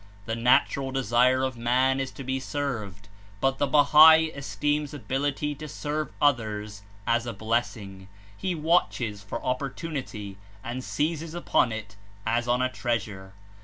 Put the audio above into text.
The natural desire of man is to be served, but the Bahai esteems ability to serve others as a blessing; he watches for opportunity and seizes upon it as on a treasure.